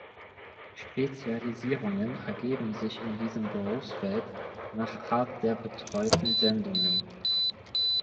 Spezialisierungen ergeben sich in diesem Berufsfeld nach Art der betreuten Sendungen.